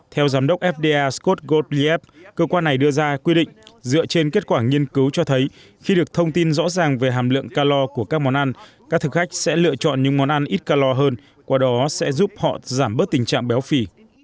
theo giám đốc fda scott goldlieb cơ quan này đưa ra quy định dựa trên kết quả nghiên cứu cho thấy khi được thông tin rõ ràng về hàm lượng calor của các món ăn các thực khách sẽ lựa chọn những món ăn ít calor hơn qua đó sẽ giúp họ giảm bớt tình trạng béo phì